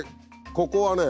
ここはね